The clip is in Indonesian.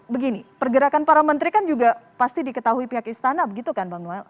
begini pergerakan para menteri kan juga pasti diketahui pihak istana begitu kan bang noel